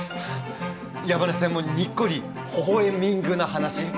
山根さんもにっこりほほ笑みんぐな話。